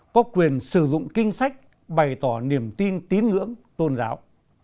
có quyền sử dụng kinh sách bày tỏ niềm tin tín ngưỡng tôn giáo